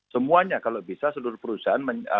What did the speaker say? semuanya kalau bisa seluruh perusahaan